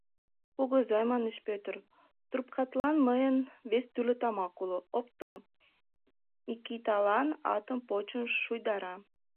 — Кугызай, — манеш Пӧтыр, — трупкатлан мыйын вес тӱрлӧ тамак уло, опто, — Микиталан атым почын шуйдара.